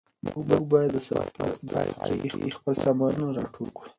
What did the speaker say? موږ باید د سفر په پای کې خپل سامانونه راټول کړو.